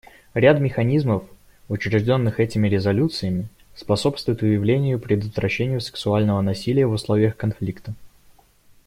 Ряд механизмов, учрежденных этими резолюциями, способствует выявлению и предотвращению сексуального насилия в условиях конфликта.